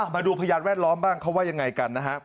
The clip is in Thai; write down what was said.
มาดูพะยาวแวดล้อมบ้างเข้ายังไงกันนะครับ